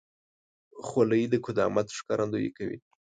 خولۍ د قدامت ښکارندویي کوي.